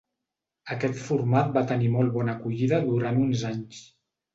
Aquest format va tenir molt bona acollida durant uns anys.